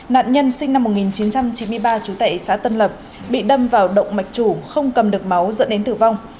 nạn nhân sinh năm một nghìn chín trăm chín mươi ba trú tại xã tân lập bị đâm vào động mạch chủ không cầm được máu dẫn đến tử vong